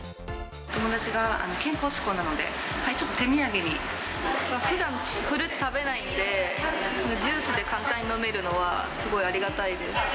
友達が健康志向なので、ふだんフルーツ食べないんで、ジュースで簡単に飲めるのはすごいありがたいです。